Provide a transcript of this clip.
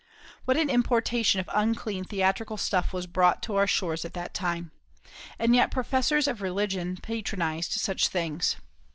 What an importation of unclean theatrical stuff was brought to our shores at that time! And yet professors of religion patronised such things.